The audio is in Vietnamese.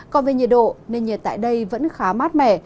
còn về nhiệt độ nền nhiệt tại đây vẫn khá mát mẻ